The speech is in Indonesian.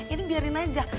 ini biarin aja